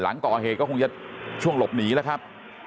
หลังก่อเหตุก็คงจะช่วงหลบหนีแล้วครับ